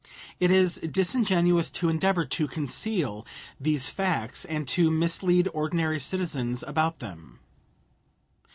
It is disingenuous to endeavor to conceal these facts, and to mislead ordinary citizens about them.